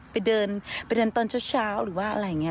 ไปเดินตอนเช้าหรือว่าอะไรเงี้ย